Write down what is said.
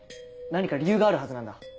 何か理由があるはずなんだ。